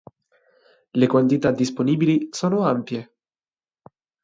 Le quantità disponibili sono ampie.